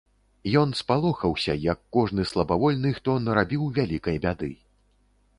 Ён спалохаўся, як кожны слабавольны, хто нарабіў вялікай бяды.